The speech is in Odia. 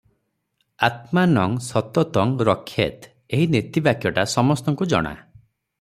"ଆତ୍ମାନଂ ସତତଂ ରକ୍ଷେତ୍ " ଏହି ନୀତିବାକ୍ୟଟା ସମସ୍ତଙ୍କୁ ଜଣା ।